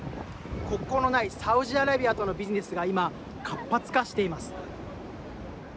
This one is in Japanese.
国交のないサウジアラビアとのビジネスが今、活発化しています。